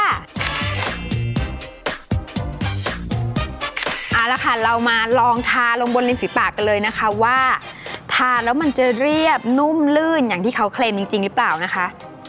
เอาละค่ะเรามาลองทาลงบนริมฝีปากกันเลยนะคะว่าทานแล้วมันจะเรียบนุ่มลื่นอย่างที่เขาเคลมจริงหรือเปล่านะคะ